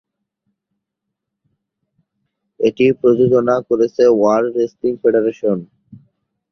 এটি প্রযোজনা করেছে ওয়ার্ল্ড রেসলিং ফেডারেশন।